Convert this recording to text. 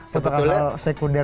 seperti hal hal sekunder